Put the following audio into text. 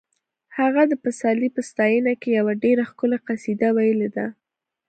هغه د پسرلي په ستاینه کې یوه ډېره ښکلې قصیده ویلې ده